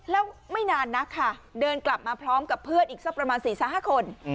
แล้วไม่นานนักค่ะเดินกลับมาพร้อมกับเพื่อนอีกสักประมาณ๔๕คน